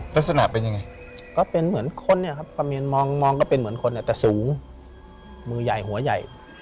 ลักษณะเป็นยังไงก็เป็นเหมือนคนเนี่ยครับประเมินมองมองก็เป็นเหมือนคนแต่สูงมือใหญ่หัวใหญ่